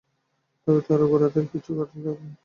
তবে তারাও গোঁড়াদের খুব পিছু লেগে আছে।